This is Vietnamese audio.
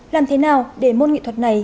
làm thế nào để môn nghệ thuật này tiếp tục